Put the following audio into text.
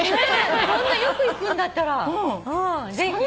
そんなよく行くんだったらぜひ。